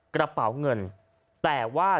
กระเป๋าเงินแต่ว่า